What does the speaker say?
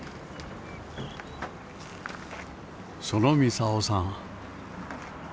その操さん。